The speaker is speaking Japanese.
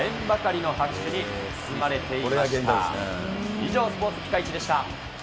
以上、スポーツピカイチでし